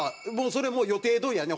それも予定どおりやね